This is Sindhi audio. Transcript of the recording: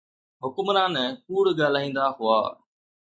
حڪمران ڪوڙ ڳالهائيندا هئا.